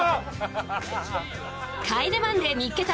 「帰れマンデー見っけ隊！！」